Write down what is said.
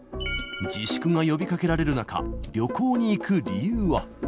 自粛が呼びかけられる中、旅行に行く理由は。